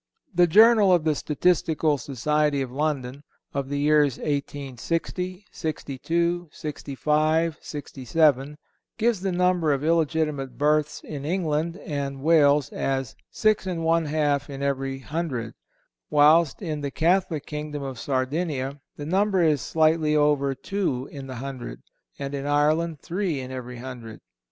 The Journal of the Statistical Society of London, of the years 1860, '62, '65, '67, gives the number of illegitimate births in England and Wales as 6 1/2 in every hundred, whilst in the Catholic kingdom of Sardinia the number is slightly over two in the hundred, and in Ireland three in every hundred.